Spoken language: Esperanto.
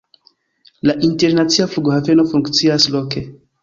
La internacia flughaveno funkcias loke.